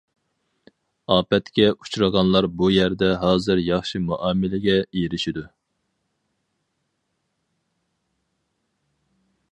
ئاپەتكە ئۇچرىغانلار بۇ يەردە ھازىر ياخشى مۇئامىلىگە ئېرىشىدۇ.